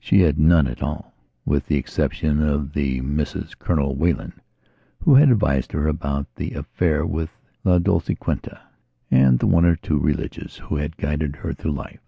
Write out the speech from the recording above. She had none at all, with the exception of the Mrs Colonel Whelen, who had advised her about the affair with La Dolciquita, and the one or two religious, who had guided her through life.